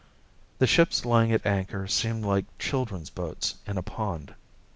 The ships lying at anchor seemed like children's boats in a pond.